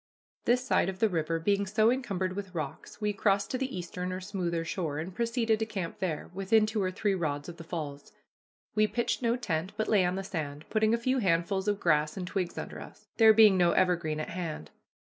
This side of the river being so encumbered with rocks, we crossed to the eastern or smoother shore, and proceeded to camp there, within two or three rods of the falls. We pitched no tent, but lay on the sand, putting a few handfuls of grass and twigs under us, there being no evergreen at hand.